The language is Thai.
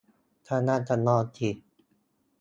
กำลังจะนอนสิ